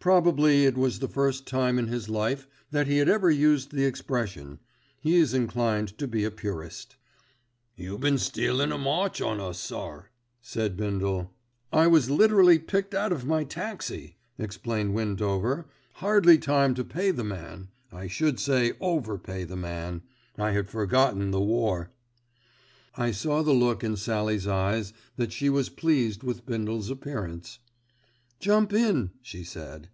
Probably it was the first time in his life that he had ever used the expression: he is inclined to be a purist. "You been stealin' a march on us, sir," said Bindle. "I was literally picked out of my taxi," explained Windover, "hardly given time to pay the man, I should say over pay the man, I had forgotten the war." I saw from the look in Sallie's eyes that she was pleased with Bindle's appearance. "Jump in," she said.